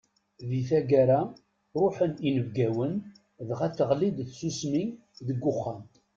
Di tagara, ruḥen inebgawen, dɣa teɣlid tsusmi deg uxxam.